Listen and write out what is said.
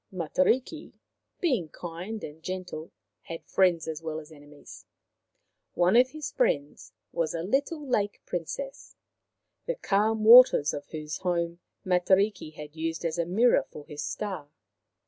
Matariki, being kind and gentle, had friends as well as enemies. One of his friends was a little Lake Princess, the calm waters of whose home Matariki had used as a mirror for his star.